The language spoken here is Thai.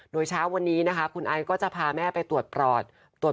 โดยเช้าวันนี้คุณไอ้ก็จะพาแม่ไปตรวจปลอด